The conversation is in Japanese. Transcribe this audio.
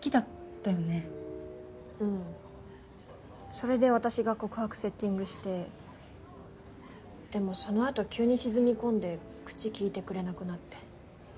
それで私が告白セッティングしてでもその後急に沈み込んで口きいてくれなくなって。